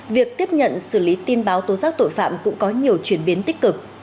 việc tiếp nhận xử lý tin báo tố giác tội phạm cũng có nhiều chuyển biến tích cực